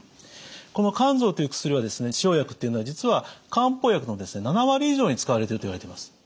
この甘草という薬は生薬というのは実は漢方薬の７割以上に使われているといわれてます。